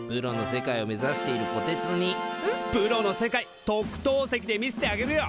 プロの世界特等席で見せてあげるよ！